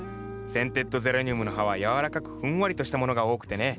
センテッドゼラニウムの葉は柔らかくふんわりとしたものが多くてね